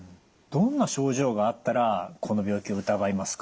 どんな症状があったらこの病気を疑いますか？